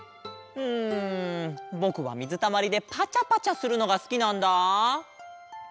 うんぼくはみずたまりでパチャパチャするのがすきなんだ。